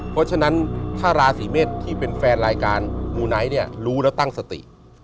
เพราะฉะนั้นถ้าราศีเมษที่เป็นแฟนรายการมูไนท์เนี่ยรู้แล้วตั้งสติ